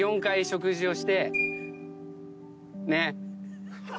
ねっ。